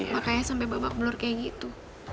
makanya sampe babak blur kayak gitu